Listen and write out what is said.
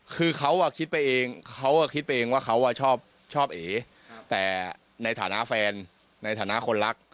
คือเขาอะคิดไปเองว่าเขาอะชอบเอ๋แต่ในฐานะแฟนในฐานะคนรัก